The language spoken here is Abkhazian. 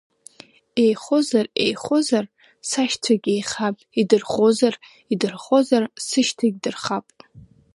Еихозар, еихозар, сашьцәагь еихап, идырхозар, идырхозар, сышьҭагь дырхап!